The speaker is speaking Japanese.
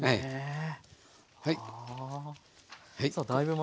はい。